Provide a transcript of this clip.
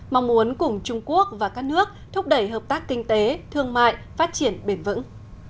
mong muốn cùng trung quốc và các nước thúc đẩy hợp tác kinh tế thương mại phát triển bền vững